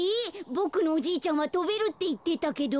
ボクのおじいちゃんはとべるっていってたけど？